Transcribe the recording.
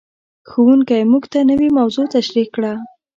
ښوونکی موږ ته نوې موضوع تشریح کړه.